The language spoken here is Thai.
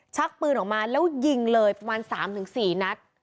ชักปืนออกมาแล้วยิงเลยประมาณ๓๔นัด